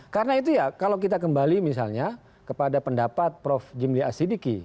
karena itu ya kalau kita kembali misalnya kepada pendapat prof jimli asyidiki